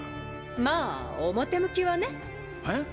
まあ表向きはね。へ？？